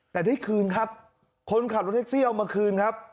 แต่ได้คืนครับคนขับรถแท็กซี่เอามาคืนครับ